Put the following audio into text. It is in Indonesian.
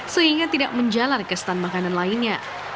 sehingga tidak menjalar ke stand makanan lainnya